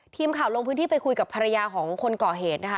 ทีมข่าวลงพื้นที่ไปคุยกับภรรยาของคนก่อเหตุนะคะ